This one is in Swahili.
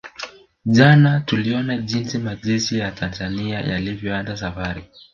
Jana tuliona jinsi majeshi ya Tanzania yalivyoanza safari